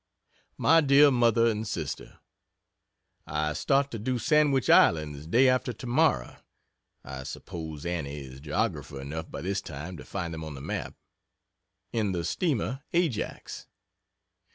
MY DEAR MOTHER AND SISTER, I start to do Sandwich Islands day after tomorrow, (I suppose Annie is geographer enough by this time to find them on the map), in the steamer "Ajax."